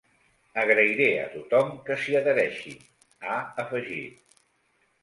Agrairé a tothom que s’hi adhereixi, ha afegit.